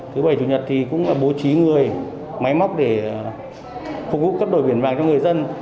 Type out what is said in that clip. thứ bảy chủ nhật thì cũng đã bố trí người máy móc để phục vụ cấp đổi biển vào cho người dân